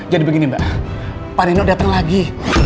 jadi begini mbak pak nino dateng lagi